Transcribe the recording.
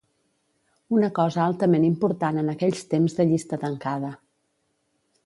Una cosa altament important en aquells temps de llista tancada.